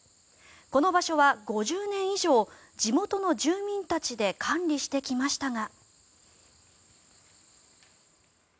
この場所は５０年以上地元の住民たちで管理してきましたが。